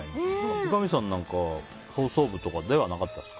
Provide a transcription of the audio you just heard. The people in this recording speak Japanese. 三上さんは放送部とかではなかったですか。